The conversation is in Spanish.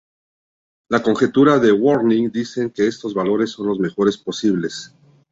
La conjetura de Waring dicen que estos valores son los mejores posibles.